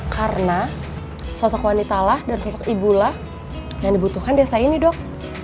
karena sosok wanitalah dan sosok ibulah yang dibutuhkan desa ini dok